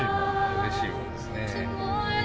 うれしいもんですねえ。